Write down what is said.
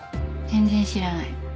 全然知らない。